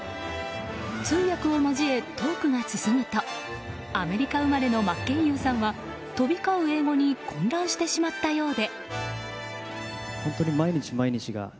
通訳を交えトークが進むとアメリカ生まれの真剣佑さんは飛び交う英語に混乱してしまったようで。